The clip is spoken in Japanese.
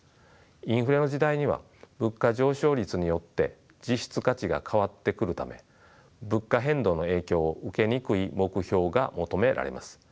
インフレの時代には物価上昇率によって実質価値が変わってくるため物価変動の影響を受けにくい目標が求められます。